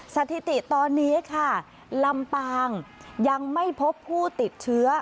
สถิติตอนนี้ค่ะลำปางยังไม่พบผู้ติดเชื้อ